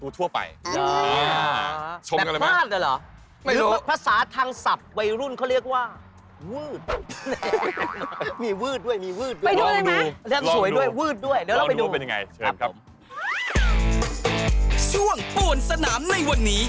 ช่วงปูนสนามในวันนี้